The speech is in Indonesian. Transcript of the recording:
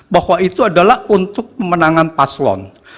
bahwa itu adalah untuk pemenangan paslon